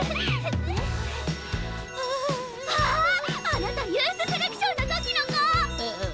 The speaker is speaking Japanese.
あなたユースセレクションの時の子！